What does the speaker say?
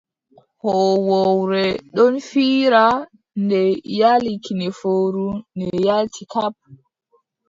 Hoowowre ɗon fiira, nde yaali kine fowru, nde yaalti. Kap!